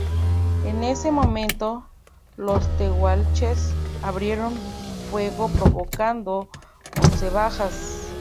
En ese momento, los tehuelches abrieron fuego provocando once bajas.